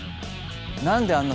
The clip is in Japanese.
何であんな